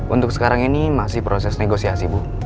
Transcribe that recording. untuk sekarang ini masih proses negosiasi bu